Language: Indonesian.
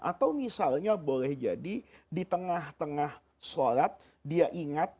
atau misalnya boleh jadi di tengah tengah sholat dia ingat